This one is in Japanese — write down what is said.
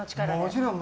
もちろん。